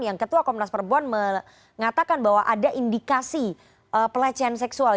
yang ketua komnas perempuan mengatakan bahwa ada indikasi pelecehan seksual